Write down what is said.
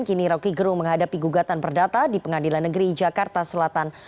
kini roky gerung menghadapi gugatan perdata di pengadilan negeri jakarta selatan